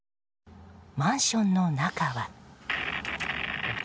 マンションの中は。